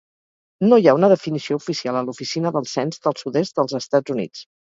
No hi ha una definició oficial a l'Oficina del Cens del sud-est dels Estats Units.